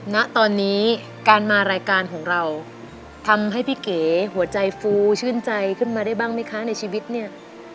ณตอนนี้การมารายการของเราทำให้พี่เก๋หัวใจฟูชื่นใจขึ้นมาได้บ้างไหมคะในชีวิตเนี่ย